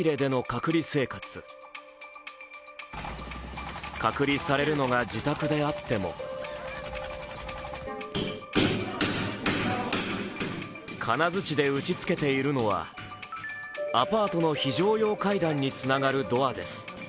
隔離されるのが自宅であっても金づちで打ちつけているのはアパートの非常用階段につながるドアです。